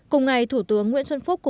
cùng ngày thủ tướng nguyễn xuân phúc